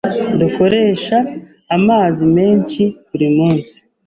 Dukoresha amazi menshi buri munsi.